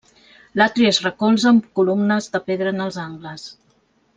L'atri es recolza en columnes de pedra en els angles.